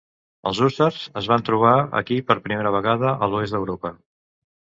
Els hússars es van trobar aquí per primera vegada a l'oest d'Europa.